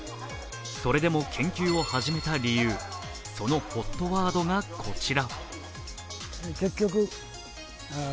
それでも研究を始めた理由、そのＨＯＴワードがこちら。